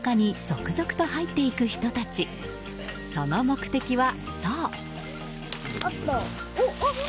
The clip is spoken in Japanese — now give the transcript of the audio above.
その目的は、そう。